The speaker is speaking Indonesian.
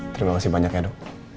terima kasih banyak ya dok